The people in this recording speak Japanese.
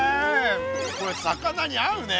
これ魚に合うね。